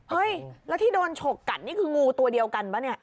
เฮ้ยแล้วที่โดนฉกกัดนี่คืองูตัวเดียวกันป่ะเนี่ย